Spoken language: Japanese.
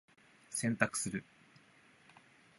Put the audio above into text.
洗濯する。